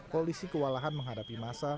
polisi kewalahan menghadapi masa